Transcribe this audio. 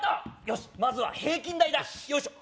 よしまずは平均台だよいしょ